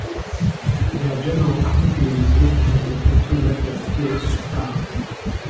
Their general attitude is represented in two letters still extant.